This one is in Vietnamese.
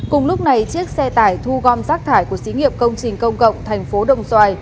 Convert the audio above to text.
cùng lúc này chiếc xe tải thu gom rác thải của xí nghiệp công trình công cộng thành phố đồng xoài